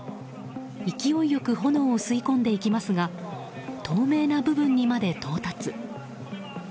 勢いよく炎を吸い込んでいきますが透明な部分にまで到達。